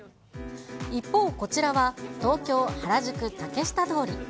一方、こちらは東京・原宿竹下通り。